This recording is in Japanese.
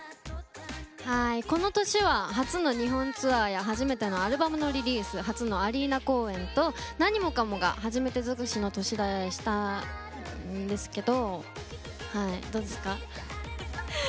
この年は初の日本ツアーやアルバムのリリース初のアリーナ公演と何もかもが初めて尽くしの年でしたがどうですか？